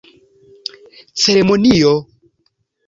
Ceremonio!?